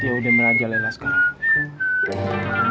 dia udah merajalela sekarang